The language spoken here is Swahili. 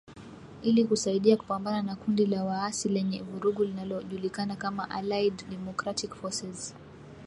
Ili kusaidia kupambana na kundi la waasi lenye vurugu linalojulikana kama Allied Democratic Forces